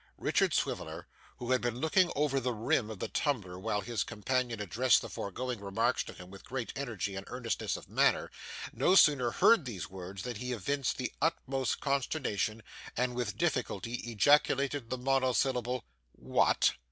Richard Swiveller, who had been looking over the rim of the tumbler while his companion addressed the foregoing remarks to him with great energy and earnestness of manner, no sooner heard these words than he evinced the utmost consternation, and with difficulty ejaculated the monosyllable: 'What!